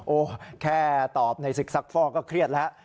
โอ๊ะแค่ตอบในศิกษภก็เครียดแล้ว